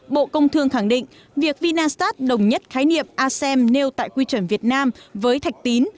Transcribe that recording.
bộ công thương khẳng định việc vinastat đồng nhất khái niệm asem nêu tại quy chuẩn việt nam với thạch tín